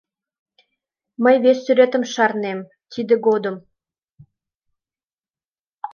Мый вес сӱретым шарнем тиде годым: